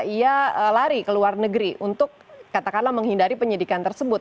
ia lari ke luar negeri untuk katakanlah menghindari penyidikan tersebut